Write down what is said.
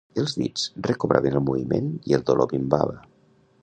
Els dits recobraven el moviment i el dolor minvava